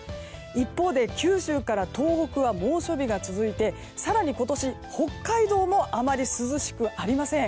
一方で九州から東北は猛暑日が続いて更に今年、北海道もあまり涼しくありません。